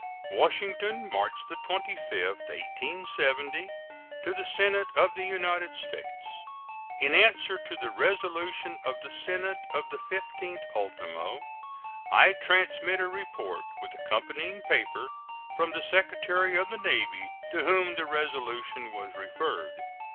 WASHINGTON, March 25, 1870. To the Senate of the United States: In answer to the resolution of the Senate of the 15th ultimo, I transmit a report, with accompanying paper, from the Secretary of the Navy, to whom the resolution was referred.